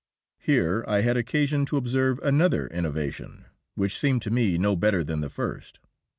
Here I had occasion to observe another innovation, which seemed to me no better than the first.